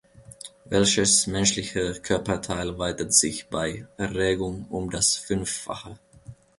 Welches menschliche Körperteil weitet sich bei Erregung um das Fünffache?